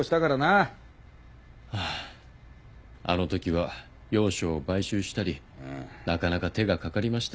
ハァあのときは楊松を買収したりなかなか手がかかりました。